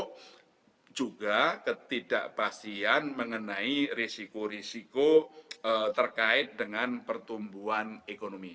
ketidakpastian yang masuk juga ketidakpastian mengenai risiko risiko terkait dengan pertumbuhan ekonomi